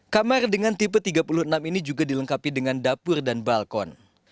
kamar dengan tipe tiga puluh enam ini juga dilengkapi dengan dapur dan balkon